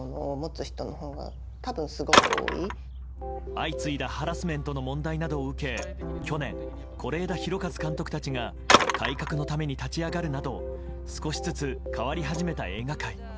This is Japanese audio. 相次いだハラスメントの問題などを受け去年、是枝裕和監督たちが改革のために立ち上がるなど少しずつ変わり始めた映画界。